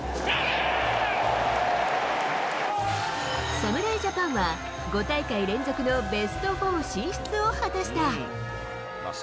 侍ジャパンは５大会連続のベスト４進出を果たした。